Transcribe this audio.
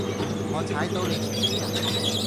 我踩到你條尾呀？